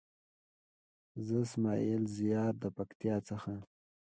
زه اسماعيل زيار د پکتيا څخه.